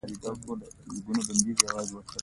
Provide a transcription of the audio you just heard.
سندره د ښایسته کلماتو مجموعه ده